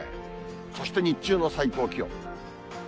そして日中の最高気温。